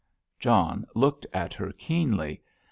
John looked at her keenly.